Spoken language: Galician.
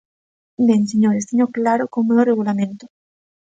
Ben, señores, teño claro como é o Regulamento.